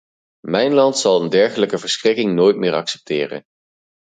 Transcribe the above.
Mijn land zal een dergelijke verschrikking nooit meer accepteren.